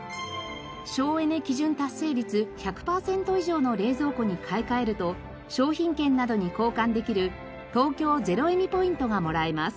省エネ基準達成率１００パーセント以上の冷蔵庫に買い替えると商品券などに交換できる東京ゼロエミポイントがもらえます。